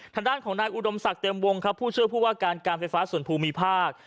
ทางด้านของนายอุดมศักดิ์เต็มวงครับผู้ช่วยผู้ว่าการการไฟฟ้าส่วนภูมิภาค